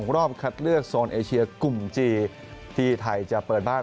รอบคัดเลือกโซนเอเชียกลุ่มจีที่ไทยจะเปิดบ้าน